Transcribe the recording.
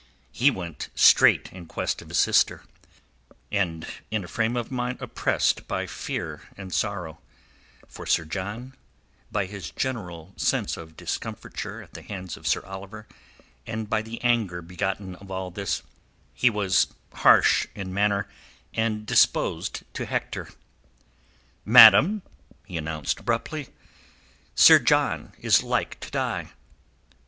He went straight in quest of his sister; and in a frame of mind oppressed by fear and sorrow, for Sir John, by his general sense of discomfiture at the hands of Sir Oliver and by the anger begotten of all this he was harsh in manner and disposed to hector. "Madam," he announced abruptly, "Sir John is like to die."